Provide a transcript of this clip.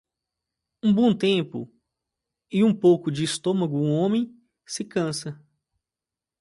Um bom tempo e um pouco de estômago um homem se cansa.